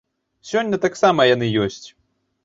Сёння таксама яны ёсць.